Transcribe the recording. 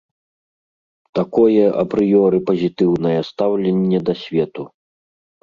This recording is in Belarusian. Такое апрыёры пазітыўнае стаўленне да свету.